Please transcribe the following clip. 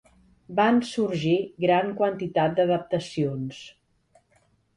Van sorgir gran quantitat d'adaptacions.